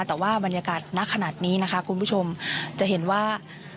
แต่ว่ามันอยากหมาขนาดนี้นะคะคุณผู้ชมจะเห็นว่า